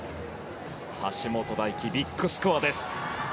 橋本大輝、ビッグスコアです。